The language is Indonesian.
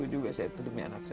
saya juga sedemikian anak saya